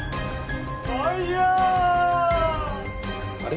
あれ？